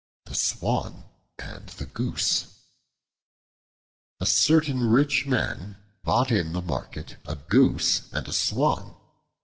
The Swan and the Goose A CERTAIN rich man bought in the market a Goose and a Swan.